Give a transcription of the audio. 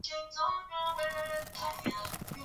kupungua Katika karne ya kumi na nane nchi za